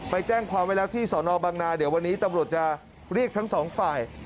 ไปแจ้งความไว้แล้วที่สอนอบังนาเดี๋ยววันนี้ตำรวจจะเรียกทั้งสองฝ่าย